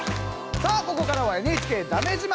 さあここからは「ＮＨＫだめ自慢」。